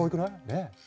ねえ。